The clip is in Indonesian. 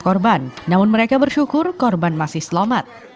korban namun mereka bersyukur korban masih selamat